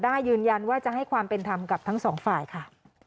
ยืนยันว่าจะให้ความเป็นธรรมกับทั้งสองฝ่ายค่ะ